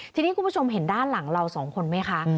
ทีนี้คุณผู้ชมเห็นด้านหลังเราสองคนไหมคะ